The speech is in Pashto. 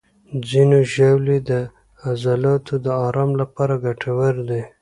ځینې ژاولې د عضلاتو د آرام لپاره ګټورې دي.